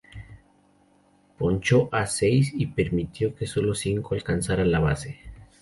Ponchó a seis y permitió que solo cinco alcanzaran la base.